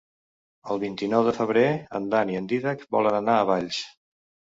El vint-i-nou de febrer en Dan i en Dídac volen anar a Valls.